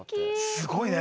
すごいね。